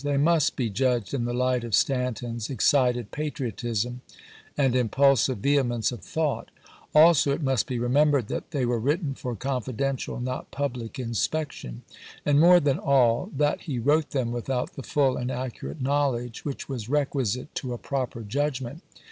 They must be judged in the light of Stanton's excited patriotism and impulsive vehemence of thought ; also, it must be remembered that they were written for confiden tial, not public, inspection ; and, more than all, that he wi'ote them without the full and accurate know ledge which was requisite to a proper judgment.